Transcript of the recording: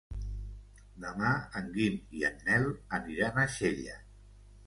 Demà en Guim i en Nel aniran a Xella.